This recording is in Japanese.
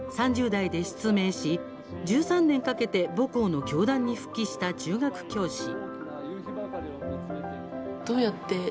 ３０代で失明し、１３年かけて母校の教壇に復帰した中学教師。